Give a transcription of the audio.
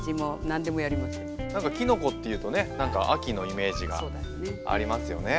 なんかきのこっていうとねなんか秋のイメージがありますよね。